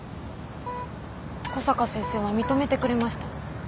小坂先生は認めてくれました。